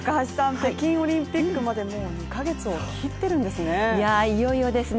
北京オリンピックまで２ヶ月を切ってるんですよね